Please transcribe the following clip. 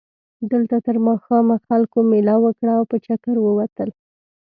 دلته تر ماښامه خلکو مېله وکړه او په چکر ووتل.